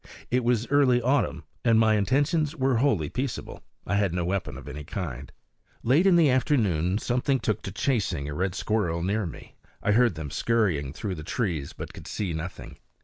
It was early autumn, and my intentions were wholly peaceable. I had no weapon of any kind. Late in the afternoon something took to chasing a red squirrel near me. I heard them scurrying through the trees, but could see nothing.